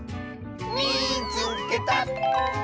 「みいつけた！」。